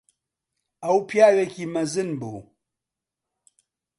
ئەو پیاوێکی مەزن بوو.